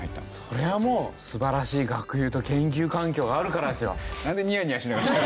それはもう素晴らしい学友と研究環境があるからですよ。